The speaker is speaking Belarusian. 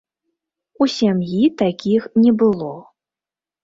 У сям'і такіх не было.